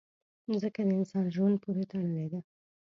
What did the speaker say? مځکه د انسان ژوند پورې تړلې ده.